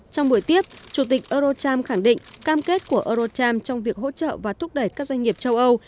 trong buổi tiếp chủ tịch eurocharm khẳng định cam kết của eurocharm trong việc hỗ trợ và thúc đẩy các doanh nghiệp châu âu